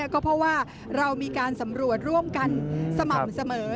ก็เพราะว่าเรามีการสำรวจร่วมกันสม่ำเสมอ